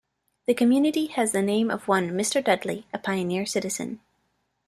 The community has the name of one Mr. Dudley, a pioneer citizen.